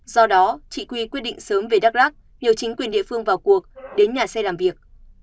do đó chị quy quyết định sớm về đắk lắc nhờ chính quyền địa phương vào cuộc đến nhà xe làm việc